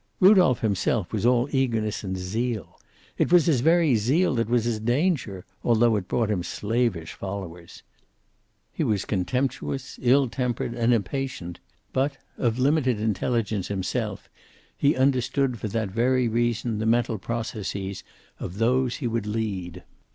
Rudolph himself was all eagerness and zeal. It was his very zeal that was his danger, although it brought him slavish followers. He was contemptuous, ill tempered, and impatient, but, of limited intelligence himself, he understood for that very reason the mental processes of those he would lead.